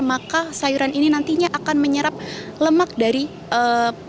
maka sayuran ini nantinya akan menyerap lemak dari daging